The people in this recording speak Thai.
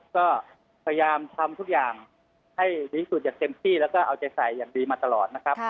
ก็พยายามทำทุกอย่างให้ดีที่สุดอย่างเต็มที่แล้วก็เอาใจใส่อย่างดีมาตลอดนะครับ